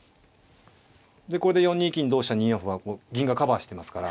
でこれで４二金同飛車２四歩は銀がカバーしてますから。